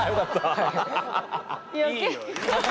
はい。